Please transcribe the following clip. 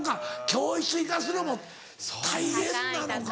教室行かすのも大変なのか。